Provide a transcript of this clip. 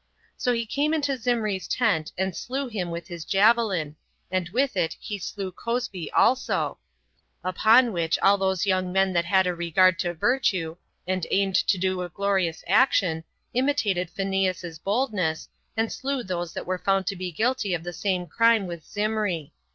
So he came into Zimri's tent, and slew him with his javelin, and with it he slew Cozbi also, Upon which all those young men that had a regard to virtue, and aimed to do a glorious action, imitated Phineas's boldness, and slew those that were found to be guilty of the same crime with Zimri.